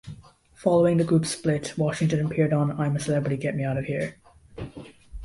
Following the group's split, Washington appeared on I'm a Celebrity...Get Me Out of Here!